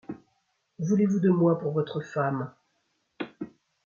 Voulez-vous de moi pour votre femme ?